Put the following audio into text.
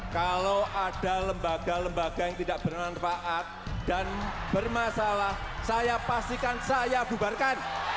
kalau ada lembaga lembaga yang tidak bermanfaat dan bermasalah saya pastikan saya bubarkan